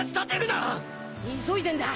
急いでんだ。